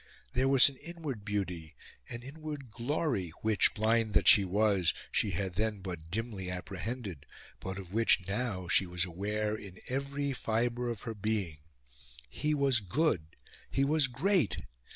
There was an inward beauty, an inward glory which, blind that she was, she had then but dimly apprehended, but of which now she was aware in every fibre of her being he was good he was great!